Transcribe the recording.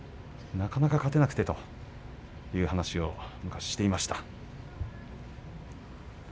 なかなか勝てなくてという話も昔、していました。